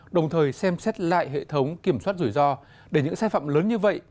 đồng thời xem xét lại hệ thống kiểm soát rủi ro để những sai phạm lớn như vậy